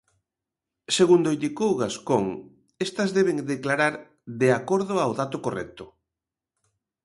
Segundo indicou Gascón, estas deben declarar "de acordo ao dato correcto".